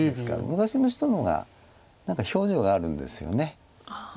昔の人の方が何か表情があるんですよね。